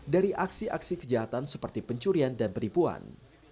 dari aksi aksi kejahatan seperti pencurian dan penipuan